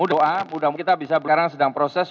doa mudah mudahan kita bisa sekarang sedang proses